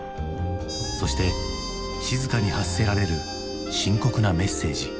そして静かに発せられる深刻なメッセージ。